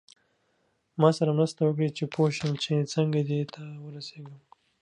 ما سره مرسته وکړئ چې پوه شم چې څنګه دې ته ورسیږم.